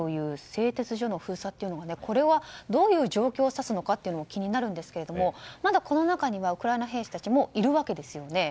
製鉄所の封鎖というのはこれはどういう状況をさすのかも気になりますがまだ、この中にはウクライナ軍の兵士たちもいるわけですよね。